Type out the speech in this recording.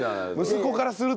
息子からするとね。